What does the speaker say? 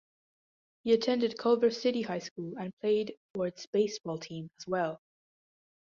He attended Culver City High School and played for its baseball team as well.